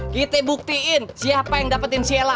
kita buktiin siapa yang dapetin siela